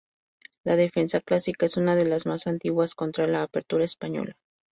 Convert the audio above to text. La defensa clásica es una de las más antiguas contra la Apertura española.